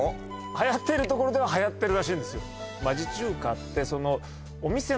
はやってるところでははやってるらしいんですよ